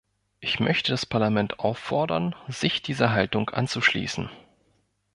Ich möchte das Parlament auffordern, sich dieser Haltung anzuschließen.